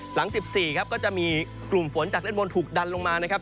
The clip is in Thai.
หลัง๑๔ครับก็จะมีกลุ่มฝนจากด้านบนถูกดันลงมานะครับ